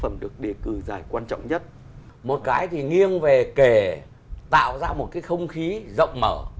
một cái khí rộng mở